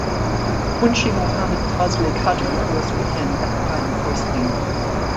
Munshi Mohammad Fazle Kader was with him at the time of hoisting.